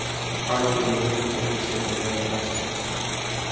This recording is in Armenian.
Այդ երևում է թեկուզ հետևյալ փաստից։